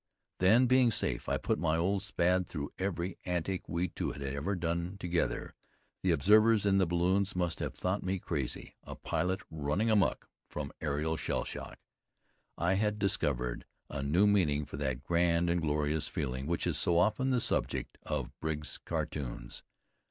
Then, being safe, I put my old Spad through every antic we two had ever done together. The observers in the balloons must have thought me crazy, a pilot running amuck from aerial shell shock. I had discovered a new meaning for that "grand and glorious feeling" which is so often the subject of Briggs's cartoons.